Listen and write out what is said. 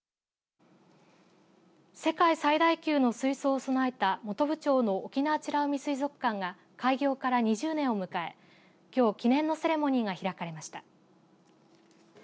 世界最大級の水槽を備えた本部町の沖縄美ら海水族館が開業から２０年を迎えきょう記念のセレモニーが開かれました。